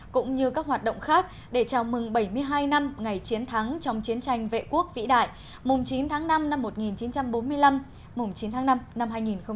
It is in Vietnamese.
cũng như các hoạt động khác để chào mừng bảy mươi hai năm ngày chiến thắng trong chiến tranh vệ quốc vĩ đại mùng chín tháng năm năm một nghìn chín trăm bốn mươi năm mùng chín tháng năm năm hai nghìn hai mươi